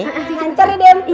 lancar ya dempah